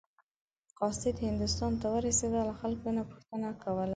قاصد هندوستان ته ورسېده له خلکو نه پوښتنه کوله.